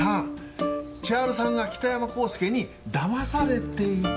③千春さんが北山浩介にだまされていた証拠。